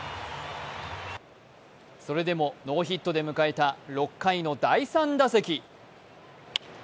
それでもノーヒットで迎えた６回の第３打席。